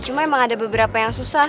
cuma memang ada beberapa yang susah